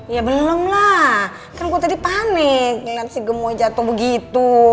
ya belum lah kan gue tadi panik liat si gemoy jatuh begitu